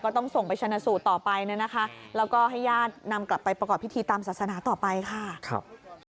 คนอื่นเขามีครอบครัวมีอะไรหมด